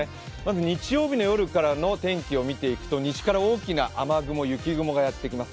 日曜日の夜からの天気を見ていくと西から大きな雨雲、雪雲がやってきます。